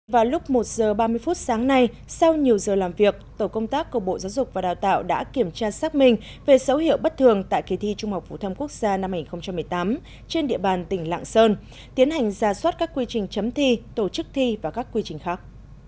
vào lúc một giờ ba mươi phút sáng nay sau nhiều giờ làm việc tổ công tác của bộ giáo dục và đào tạo đã kiểm tra xác minh về dấu hiệu bất thường tại kỳ thi trung học phổ thông quốc gia năm hai nghìn một mươi tám trên địa bàn tỉnh lạng sơn tiến hành ra soát các quy trình chấm thi tổ chức thi và các quy trình khác